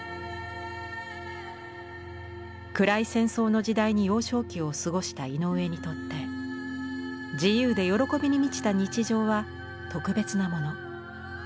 暗い戦争の時代に幼少期を過ごした井上にとって自由で喜びに満ちた日常は特別なもの。